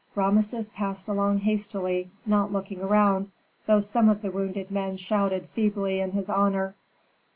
Rameses passed along hastily, not looking around, though some of the wounded men shouted feebly in his honor.